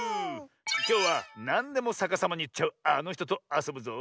きょうはなんでもさかさまにいっちゃうあのひととあそぶぞ。